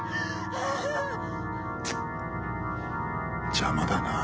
邪魔だなぁ。